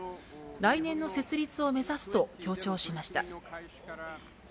来年の設立を目指すと強調しました。